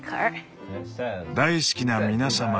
「大好きな皆様。